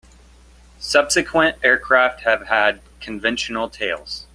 Subsequent aircraft have had conventional tails.